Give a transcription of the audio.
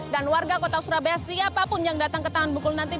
dan warga kota surabaya siapapun yang datang ke tangan bukul nanti